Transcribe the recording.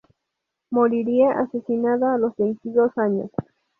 Moriría asesinada a los veintidós años.